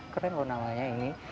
keren loh namanya ini